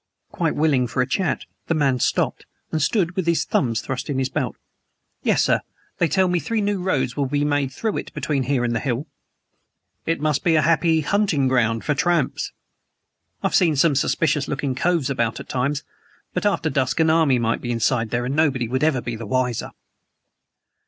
Quite willing for a chat, the man stopped, and stood with his thumbs thrust in his belt. "Yes, sir. They tell me three new roads will be made through it between here and the hill." "It must be a happy hunting ground for tramps?" "I've seen some suspicious looking coves about at times. But after dusk an army might be inside there and nobody would ever be the wiser."